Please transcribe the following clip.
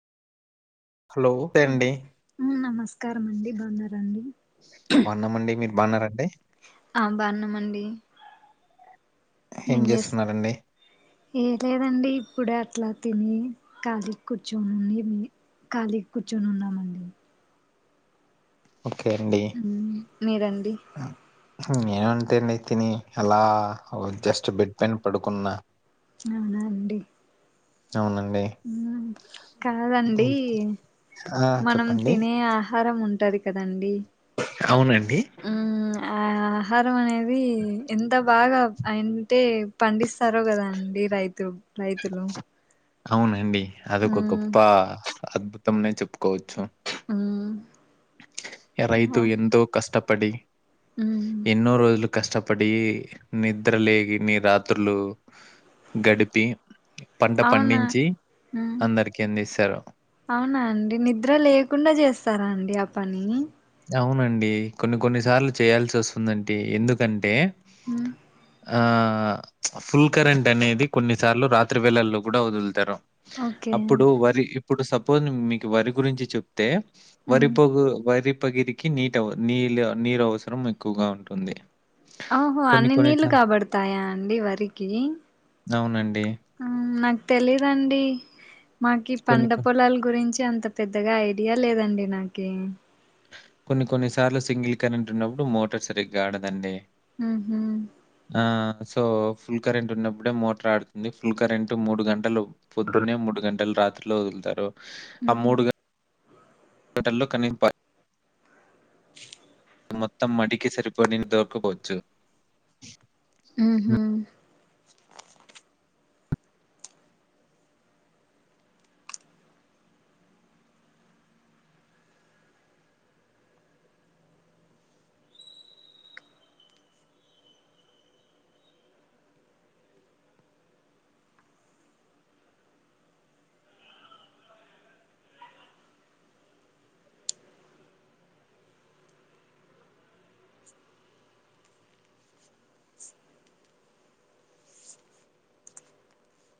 Hello నమస్తే అండి. నమస్కారం అండి బాగున్నారండి బాన్నమండి మీరు బాన్నారండి ఆ బాన్నమండి ఏం చేస్తున్నారండి ఏ లేదండి ఇప్పుడే అట్లా తిని కాళీ కూర్చొనిండి మీ ఖాళీ కూర్చొని ఉన్నామండి ఓకే అండి మ్మ్ మీరండి నేనుంటే అండి తిని అలా జస్ట్ బెడ్ పెన్ పడుకున్నా అవునా అండి అవునండి. ఉ కాదండి హ్మ్. ఆ మనం చెప్పండి. తినే ఆహారం ఉంటది కదండి అవునండి మ్మ్ ఆ ఆహారం అనేది ఎంత బాగా అంటే పండిస్తారో కదాండి రైతు రైతులు అవునండి అదొక మ్మ్ గొప్ప అద్భుతంఆనే చెప్పుకోవచ్చు ఉ ఆ రైతు ఎంతో కష్టపడి మ్మ్ ఎన్నో రోజు కష్టపడి నిద్ర లేని రాత్రులు గడిపి పంట అవునా పండించి మ్మ్ అందరికి అందిస్తారు అవునా అండి నిద్ర లేకుండా చేస్తారా అండి ఆ పని అవునండి కొన్ని కొన్ని సార్లు చేయాల్సి వస్తుందండి ఎందుకంటే ఉ ఆ ఫుల్ కరెంట్ అనేది కొన్నిసార్లు రాత్రి వేళల్లో కూడా వదులుతారు ఓకే అప్పుడు వరి ఇప్పుడు సపోజ్ మీకు వరి గురించి చెప్పితే మ్మ్ వరిపోగు వరి ఉపగిరికి నీటి నీ నీరు అవసరం ఎక్కువగా ఉంటుంది ఓహో కొన్ని అన్ని కొన్ని నీళ్లు సా కాబడతాయా అండి వరికి అవునండి ఆ నాకు తెలియదండి మాకు కొన్ని పంట కొ పొలాల గురించి అంత అంత పెద్దగా ఐడియా లేదండి నాకి కొన్ని కొన్ని సార్లు సింగిల్ కరెంట్ ఉన్నప్పుడు మోటార్ సరిగ్గా ఆడదండి ఉ హు ఆ సో ఫుల్ కరెంట్ ఉన్నప్పుడే మోటార్ ఆడుతుంది ఫుల్ కరెంట్ మూడు గంటలు పొద్దునే మూడు గంటలు రాత్రిలో వదులుతారు ఆ మూడు మ్మ్ గంటల్లో కనీ ఉ మొత్తం మడికి సరిపడ నీళ్లు దొరకపోవచ్చు ఉ హు